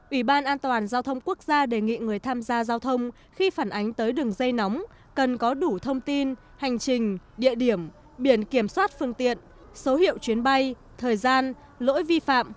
ủy ban an toàn giao thông quốc gia đề nghị người tham gia giao thông khi phản ánh tới đường dây nóng cần có đủ thông tin hành trình địa điểm biển kiểm soát phương tiện số hiệu chuyến bay thời gian lỗi vi phạm